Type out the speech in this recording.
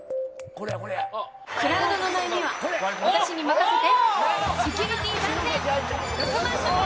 クラウドの悩みは私に任せて。